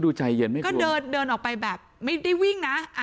ดูใจเย็นไม่คิดก็เดินเดินออกไปแบบไม่ได้วิ่งนะอ่ะ